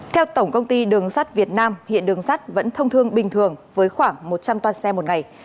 theo tổng công ty đường sát việt nam hiện đường sát vẫn thông thương bình thường với khoảng một trăm linh toàn xe một ngày